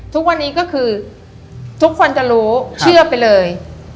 ทุกวันนี้ก็คือทุกคนจะรู้เชื่อไปเลย